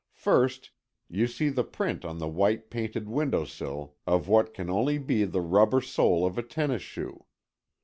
First, you see the print on the white painted window sill of what can only be the rubber sole of a tennis shoe.